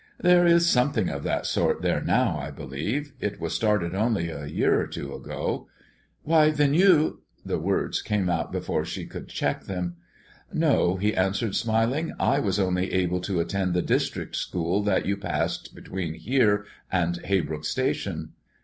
"There is something of that sort there now, I believe. It was started only a year or two ago." "Why, then you" The words came before she could check them. "No," he answered, smiling, "I was only able to attend the district school that you passed between here and Haybrook Station."